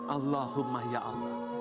allahumma ya allah